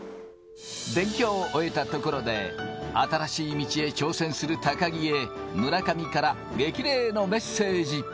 勉強を終えたところへ、新しい道へ挑戦する高木へ、村上から激励のメッセージ。